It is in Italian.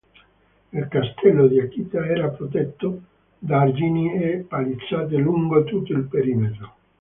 Il castello di Akita era protetto da argini e palizzate lungo tutto il perimetro.